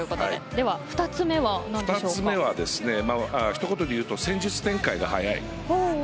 ２つ目はひと言でいうと戦術展開が早い。